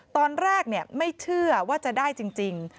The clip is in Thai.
ตอนแรกไม่เชื่อว่าจะได้จริง